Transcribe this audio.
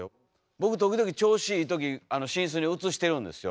僕時々調子いい時あの寝室に映してるんですよ。